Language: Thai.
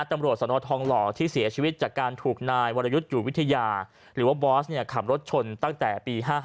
ตำรวจสนทองหล่อที่เสียชีวิตจากการถูกนายวรยุทธ์อยู่วิทยาหรือว่าบอสขับรถชนตั้งแต่ปี๕๕